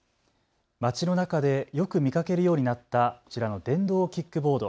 街の中でよく見かけるようになったこちらの電動キックボード。